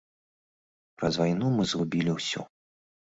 Праз вайну мы згубілі ўсё.